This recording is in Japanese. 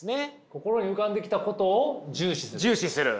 心に浮かんできたことを重視する？